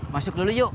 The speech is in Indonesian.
masuk dulu yuk